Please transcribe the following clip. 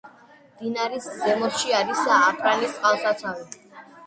მდინარის ზემოთში არის აპარანის წყალსაცავი.